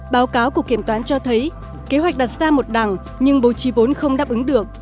báo cáo của kiểm toán cho thấy kế hoạch đặt ra một đẳng nhưng bố trí vốn không đáp ứng được